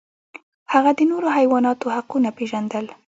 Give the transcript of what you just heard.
هغه د نورو حیواناتو حقونه پیژندل.